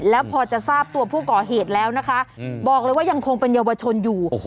แล้วพอจะทราบตัวผู้ก่อเหตุแล้วนะคะบอกเลยว่ายังคงเป็นเยาวชนอยู่